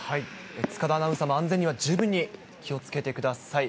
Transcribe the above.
塚田アナウンサーも、安全には十分に気をつけてください。